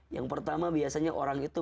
yang pertama biasanya orang itu